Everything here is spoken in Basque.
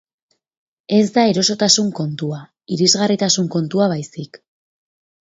Ez da erosotasun kontua, irisgarritasun kontua baizik.